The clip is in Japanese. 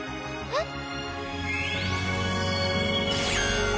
えっ？